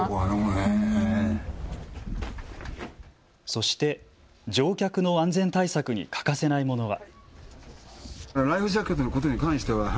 そして乗客の安全対策に欠かせないものは。